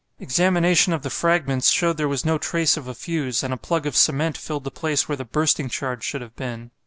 Examination of the fragments showed there was no trace of a fuse, and a plug of cement filled the place where the bursting charge should have been.